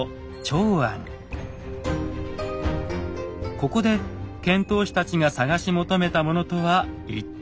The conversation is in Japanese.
ここで遣唐使たちが探し求めたものとは一体？